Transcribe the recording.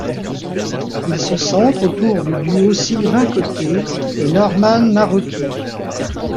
Il se centre autour du duo Sylvain Côté et Norman Nawrocki.